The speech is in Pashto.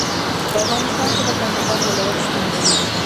په افغانستان کې د کندهار ولایت شتون لري.